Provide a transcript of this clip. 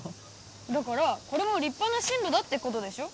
だからこれも立派な進路だってことでしょ？